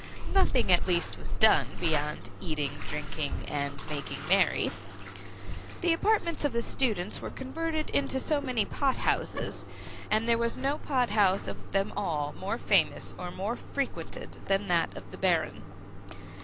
Nothing, at least, was done beyond eating and drinking and making merry. The apartments of the students were converted into so many pot houses, and there was no pot house of them all more famous or more frequented than that of the Baron.